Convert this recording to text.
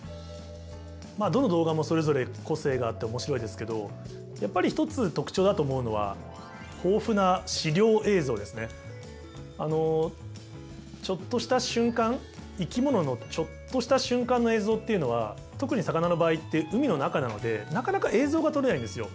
まあどの動画もそれぞれ個性があって面白いですけどやっぱり一つ特徴だと思うのはあのちょっとした瞬間生き物のちょっとした瞬間の映像っていうのは特に魚の場合って海の中なのでなかなか映像が撮れないんですよ。